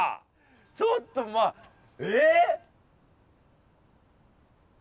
ちょっとまあえ？